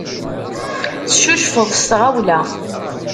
Teccucfeḍ s tɣawla.